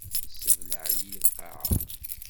Tessebleɛ-iyi lqaɛa.